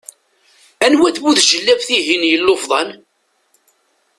Anwa-t bu tjellabt-ihin yellufḍan?